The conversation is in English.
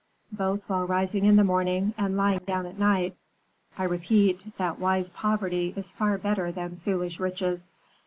Both while rising in the morning and lying down at night, I repeat that wise poverty is far better than foolish riches.